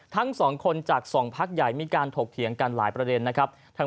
ทั้ง๒คนจาก๒ภาคใหญ่มีการถกเถียงกันหลายประเด็น